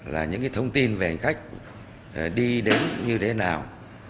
là những thông tin về hành khách đi đến như thế nào